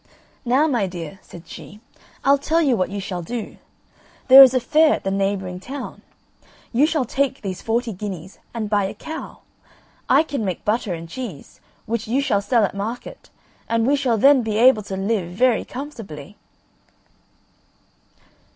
"Now, my dear," said she, "I'll tell you what you shall do. There is a fair at the neighbouring town; you shall take these forty guineas and buy a cow. I can make butter and cheese, which you shall sell at market, and we shall then be able to live very comfortably."